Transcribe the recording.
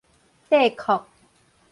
帝嚳